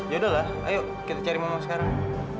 yaudahlah ayo kita cari mama sekarang